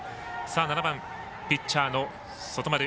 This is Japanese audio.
７番、ピッチャーの外丸。